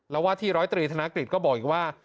แล้วว่าที่๑๐๓ธนกฤษก็บอกอีกว่า